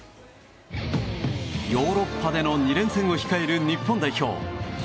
ヨーロッパでの２連戦を控える日本代表。